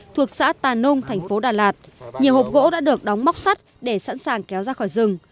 thuộc xã tà nung thành phố đà lạt nhiều hộp gỗ đã được đóng móc sắt để sẵn sàng kéo ra khỏi rừng